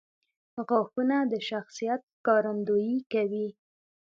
• غاښونه د شخصیت ښکارندویي کوي.